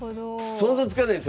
想像つかないですよね